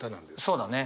そうだね。